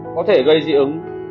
có thể gây dị ứng